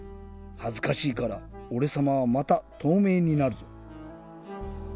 はずかしいからおれさまはまたとうめいになるぞ。